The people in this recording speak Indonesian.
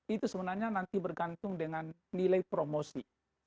itu sebenarnya nanti bergantung dengan nilai promosi